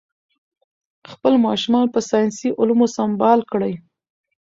خپل ماشومان په ساینسي علومو سمبال کړئ.